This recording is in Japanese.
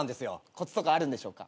コツとかあるんでしょうか。